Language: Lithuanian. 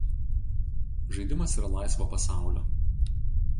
Žaidimas yra laisvo pasaulio.